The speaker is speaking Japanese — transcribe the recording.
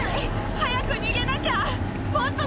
早く逃げなきゃ！